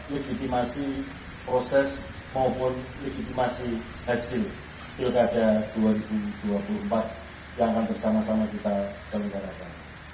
legitimasi proses maupun legitimasi hasil pilkada dua ribu dua puluh empat yang akan bersama sama kita selenggarakan